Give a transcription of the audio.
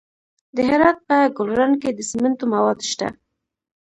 د هرات په ګلران کې د سمنټو مواد شته.